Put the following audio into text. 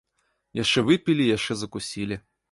Яшчэ выпілі і яшчэ закусілі.